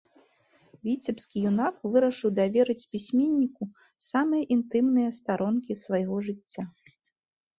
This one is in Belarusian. Віцебскі юнак вырашыў даверыць пісьменніку самыя інтымныя старонкі свайго жыцця.